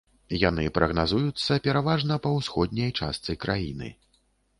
Яны прагназуюцца пераважна па ўсходняй частцы краіны.